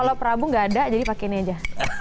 kalau prabu nggak ada jadi pakai ini aja